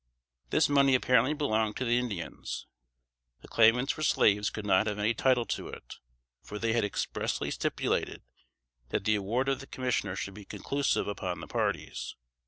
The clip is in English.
This money apparently belonged to the Indians. The claimants for slaves could not have any title to it, for they had expressly stipulated, that the award of the commissioner should be conclusive upon the parties.